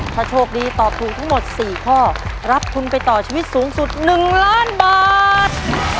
ถ้าโชคดีตอบถูกทั้งหมด๔ข้อรับทุนไปต่อชีวิตสูงสุด๑ล้านบาท